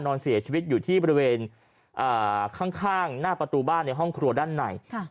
นอนเสียชีวิตอยู่ที่บริเวณข้างหน้าประตูบ้านในห้องครัวด้านใน